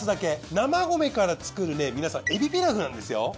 生米から作るね皆さんエビピラフなんですよ。